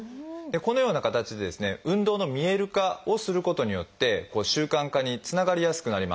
このような形で運動の見える化をすることによって習慣化につながりやすくなります。